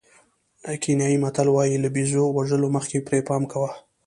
کینیايي متل وایي له بېزو وژلو مخکې پرې پام کوه.